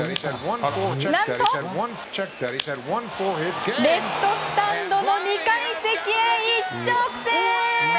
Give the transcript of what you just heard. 何と、レフトスタンドの２階席へ一直線！